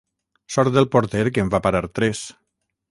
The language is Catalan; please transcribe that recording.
Sort del porter que en va parar tres!